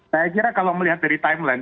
saya kira kalau melihat dari timeline